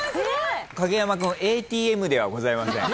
影山君ＡＴＭではございません。